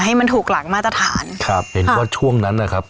ให้มันถูกหลังมาตรฐานครับเห็นว่าช่วงนั้นนะครับ